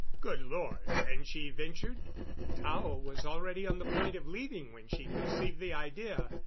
"Good Lord! And she ventured " "Tao was already on the point of leaving when she conceived the idea.